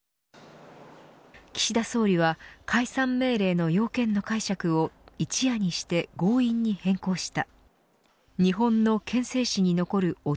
岸田総理は解散命令の要件の解釈を一夜にして強引に変更した。